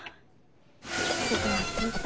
聞くことは聞いた。